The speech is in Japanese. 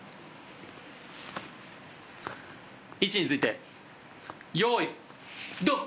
位置について用意ドン！